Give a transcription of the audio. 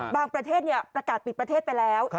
บางประเทศเนี่ยประกาศปิดประเทศไปแล้ว